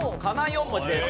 ４文字です。